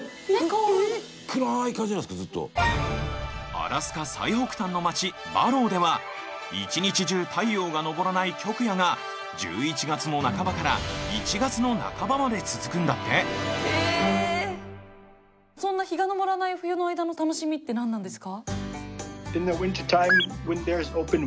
アラスカ最北端の町バローでは一日中太陽が昇らない極夜が１１月の半ばから１月の半ばまで続くんだってそんな日が昇らない冬の間の楽しみって何なんですか？